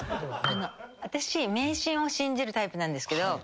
私迷信を信じるタイプなんですけど。